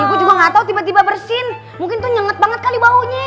iya gua juga gatau tiba tiba bersin mungkin tuh nyenget banget kali baunya